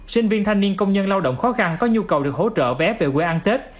sinh viên thanh niên công nhân lao động khó khăn có nhu cầu được hỗ trợ vé về quê ăn tết